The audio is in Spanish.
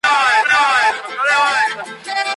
La mayoría de ellos se establecieron en Nueva York.